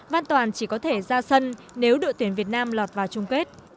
văn toàn chỉ có thể ra sân nếu đội tuyển việt nam lọt vào trung kết